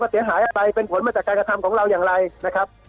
เสียหายอะไรเป็นผลมาจากการกระทำของเราอย่างไรนะครับ